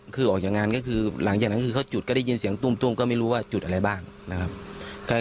คือออกจากงานก็คือหลังจากนั้นคือเขาจุดก็ได้ยินเสียงตุ้มก็ไม่รู้ว่าจุดอะไรบ้างนะครับ